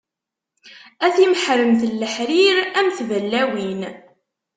A timeḥremt n leḥrir, a mm tballawin.